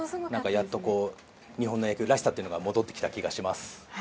やっと日本の野球らしさが戻ってきた気がします。